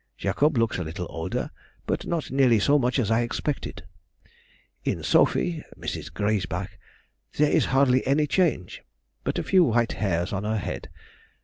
Jacob looks a little older, but not nearly so much as I expected. In Sophy [Mrs. Griesbach] there is hardly any change, but a few white hairs on her head.